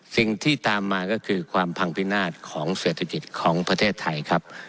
สิ่งที่ตามมาก็คือความพังพินาศของเศรษฐกิจของประเทศไทยครับ